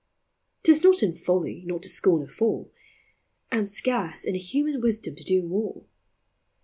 191 'T is not in folly not to scorn a fool, And scarce in human wisdom to do more.